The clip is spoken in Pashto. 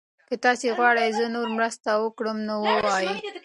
که تاسي غواړئ چې زه نوره مرسته وکړم نو ووایئ.